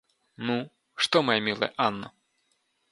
Ну, что моя милая Анна?